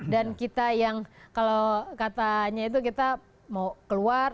dan kita yang kalau katanya itu kita mau keluar